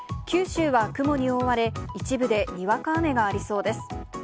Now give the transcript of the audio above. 九州は雲に覆われ、一部でにわか雨がありそうです。